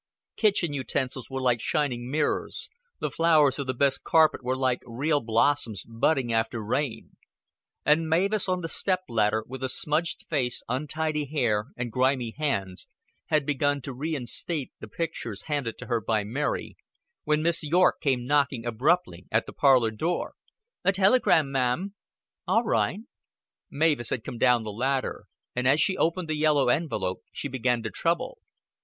Kitchen utensils were like shining mirrors; the flowers of the best carpet were like real blossoms budding after rain; and Mavis on the step ladder, with a smudged face, untidy hair, and grimy hands, had begun to reinstate the pictures handed to her by Mary, when Miss Yorke came knocking abruptly at the parlor door. "A telegram, ma'am." "All right." Mavis had come down the ladder, and as she opened the yellow envelope she began to tremble.